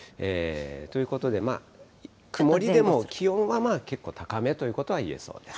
ということで、曇りでも気温は、まあ結構高めということはいえそうです。